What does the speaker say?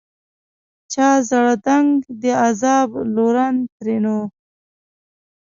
چا ژړېدنک دي عذاب لورن؛ ترينو